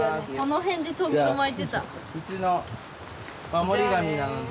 うちの守り神なので。